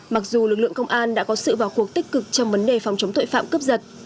mặc dù lực lượng công an đã có sự vào cuộc tích cực trong vấn đề phòng chống tội phạm cướp giật